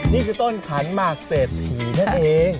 นี่คือต้นขันหมากเศรษฐีนั่นเอง